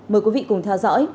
mời quý vị cùng theo dõi